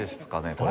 これ。